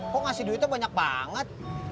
kok ngasih duitnya banyak banget